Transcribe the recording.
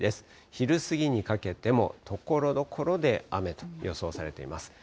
昼過ぎにかけても、ところどころで雨と予想されています。